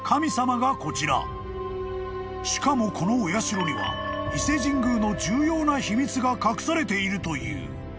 ［しかもこのお社には伊勢神宮の重要な秘密が隠されているという］